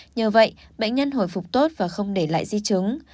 nhờ vậy bệnh nhân hồi phục tốt và không để lại di chứng